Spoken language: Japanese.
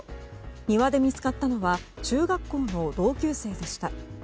庭で見つかったのは中学校の同級生でした。